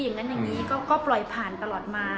อย่างนั้นอย่างนี้ก็ปล่อยผ่านตลอดมา